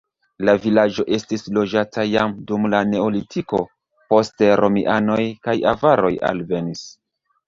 La vilaĝo estis loĝata jam dum la neolitiko, poste romianoj kaj avaroj alvenis.